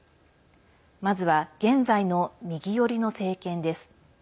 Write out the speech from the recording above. まずは現在の右寄りの政権です。